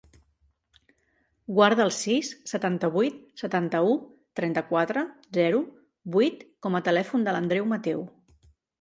Guarda el sis, setanta-vuit, setanta-u, trenta-quatre, zero, vuit com a telèfon de l'Andreu Mateu.